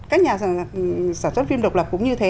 các nhà sản xuất phim độc lập cũng như thế